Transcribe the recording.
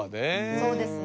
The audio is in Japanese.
そうですね。